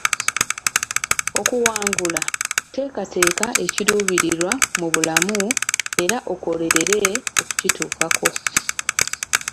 Okuwangula, teekateeka ekiruubirirwa mu bulamu era okolerere okukituukako.